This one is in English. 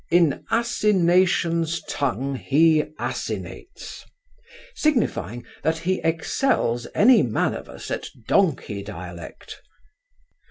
'In Asination's tongue he asinates'; signifying that he excels any man of us at donkey dialect."